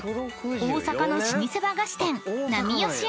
大阪の老舗和菓子店］